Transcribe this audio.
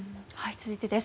続いてです。